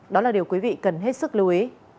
đó là điều quý vị cần hết sức lưu ý